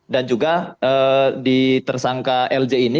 dan juga di tersangka lj ini